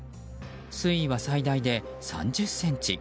水位は最大で３０ｃｍ。